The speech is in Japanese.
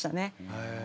へえ。